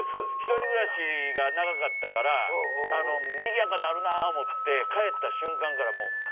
１人暮らしが長かったからにぎやかなるな思って帰った瞬間からもう。